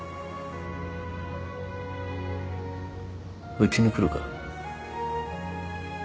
うちに来るか？